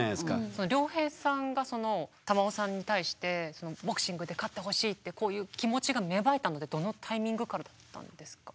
良平さんが瑶生さんに対してボクシングで勝ってほしいってこういう気持ちが芽生えたのってどのタイミングからだったんですか？